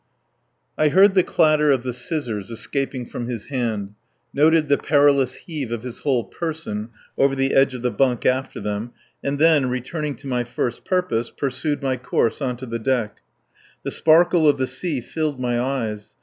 V I heard the clatter of the scissors escaping from his hand, noted the perilous heave of his whole person over the edge of the bunk after them, and then, returning to my first purpose, pursued my course on the deck. The sparkle of the sea filled my eyes.